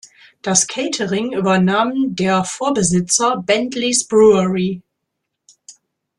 Das Catering übernahm der Vorbesitzer "Bentley’s Brewery".